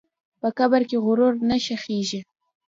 په قبر کې غرور نه ښخېږي.